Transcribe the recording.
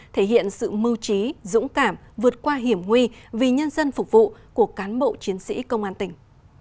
thể hiện sự mưu trí dũng cảm vượt qua hiểm nguy vì nhân dân phục vụ của cán bộ chiến sĩ công an tỉnh